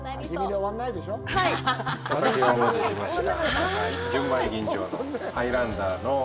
お酒をお持ちしました。